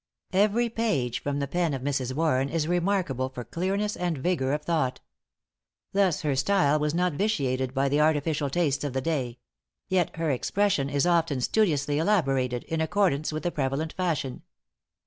Every page from the pen of Mrs. Warren, is remarkable for clearness and vigor of thought. Thus her style was not vitiated by the artificial tastes of the day; yet her expression is often studiously elaborated, in accordance with the prevalent fashion.